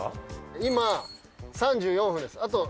今３４分です。